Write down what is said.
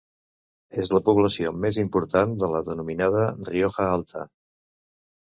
És la població més important de la denominada Rioja Alta.